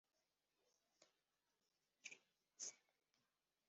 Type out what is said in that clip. isubiza inyuma ababaga bakoresheje amanyanga baharanira kwegera Sinach